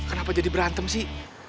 kenapa jadi berantem sih